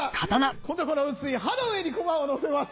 今度この薄い刃の上にこまを乗せます。